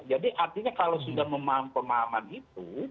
jadi artinya kalau sudah memaham pemahaman itu